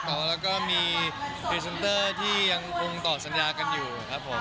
แล้วก็มีพรีเซนเตอร์ที่ยังคงตอบสัญญากันอยู่ครับผม